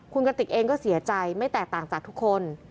คุณกติกเองก็เสียใจไม่แตกต่างจากทุกคน